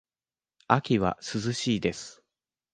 秋は涼しいです。